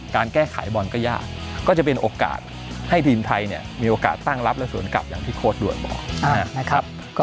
การแก้ไขบอลก็ยากก็จะเป็นโอกาสให้ทีมไทยเนี่ยมีโอกาสตั้งรับและสวนกลับอย่างที่โค้ดด่วนบอกนะครับ